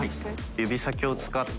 指先を使って。